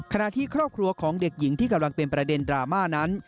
ที่ครอบครัวของเด็กหญิงที่กำลังเป็นประเด็นดราม่านั้น